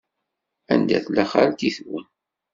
Anda tella xalti-twen?